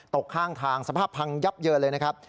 ตกข้างทางสภาพพังยับเยินเลยนะครับ